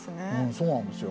そうなんですよ。